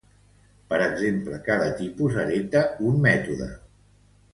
Per exemple, cada tipus hereta un mètode.